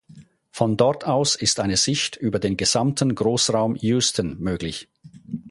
Von dort aus ist eine Sicht über den gesamten Großraum Houston möglich.